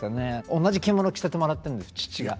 同じ着物着せてもらってるんです父が。